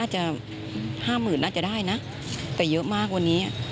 ๕หมื่นน่าจะได้นะแต่เยอะมากว่านี้